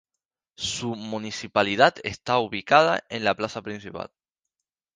Su municipalidad está ubicada en la Plaza principal.